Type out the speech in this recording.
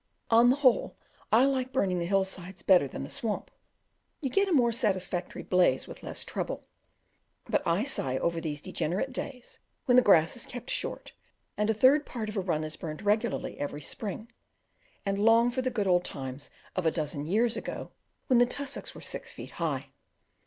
On the whole, I like burning the hill sides better than the swamp you get a more satisfactory blaze with less trouble; but I sigh over these degenerate days when the grass is kept short and a third part of a run is burned regularly ever spring, and long for the good old times of a dozen years ago, when the tussocks were six feet high.